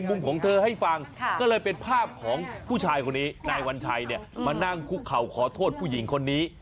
มานั่งคุกเข่าขอโทษผู้หญิงคนนี้